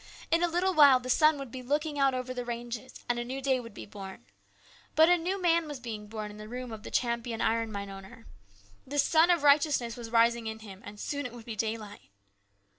In a little while the sun would be looking out over the ranges, and a new day would be born. But a new man was being born in the room of the Champion iron mine owner. The Sun of Righteousness was rising in him, and soon it would be daylight.